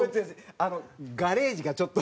あの「ガレージ」がちょっと。